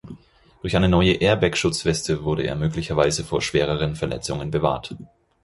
Durch eine neue Airbag-Schutzweste wurde er möglicherweise vor schwereren Verletzungen bewahrt.